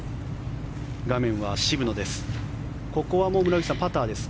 画面は渋野です。